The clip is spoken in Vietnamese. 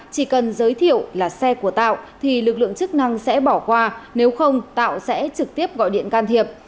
chỉ cần giới thiệu là xe của tạo thì lực lượng chức năng sẽ bỏ qua nếu không tạo sẽ trực tiếp gọi điện can thiệp